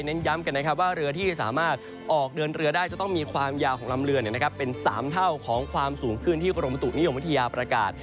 ย้ำกันนะครับว่าเรือที่สามารถออกเดินเรือได้จะต้องมีความยาวของลำเรือเป็น๓เท่าของความสูงขึ้นที่กรมประตุนิยมวิทยาประกาศ